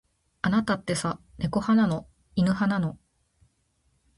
あなたってさ、猫派なの。犬派なの。